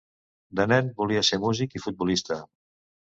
De nen volia ser músic i futbolista.